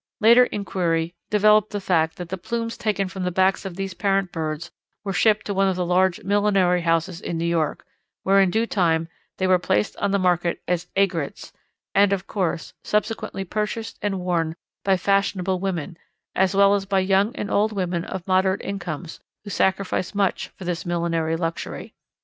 Later inquiry developed the fact that the plumes taken from the backs of these parent birds were shipped to one of the large millinery houses in New York, where in due time they were placed on the market as "aigrettes," and of course subsequently purchased and worn by fashionable women, as well as by young and old women of moderate incomes, who sacrifice much for this millinery luxury.